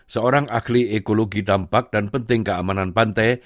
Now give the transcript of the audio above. seorang ahli ekologi dampak dan penting keamanan pantai